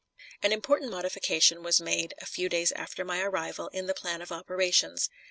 An important modification was made a few days after my arrival in the plan of operations.